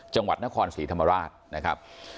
จังหวัดนครศรีธรรมราชนะครับ